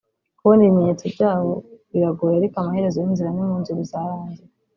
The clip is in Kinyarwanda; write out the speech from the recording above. ” Kubona ibimenyetso byabyo biragoye ariko amaherezo y’inzira ni mu nzu bizarangira”